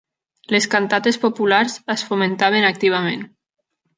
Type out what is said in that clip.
Les cantates populars es fomentaven activament.